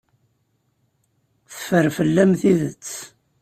Teffer fell-am tidet.